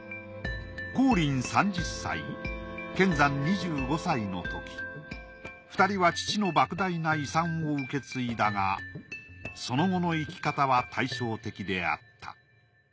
光琳３０歳乾山２５歳のとき２人は父のばく大な遺産を受け継いだがその後の生き方は対照的であった。